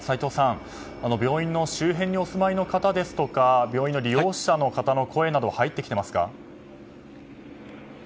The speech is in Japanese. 病院の周辺にお住まいの方とか病院の利用者の方の声など入ってきていますか。